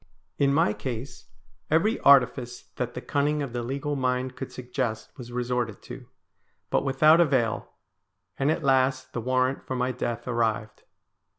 In my case every artifice that the cunning of the legal mind could suggest was resorted to, but without avail, and at last the warrant for my death arrived.